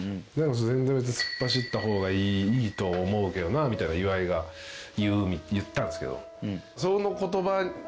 「全然別に突っ走った方がいいと思うけどな」みたいな岩井が言ったんですけど。